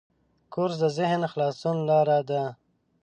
کورس د ذهن خلاصولو لاره ده.